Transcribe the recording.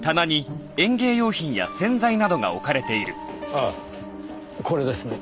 あっこれですね。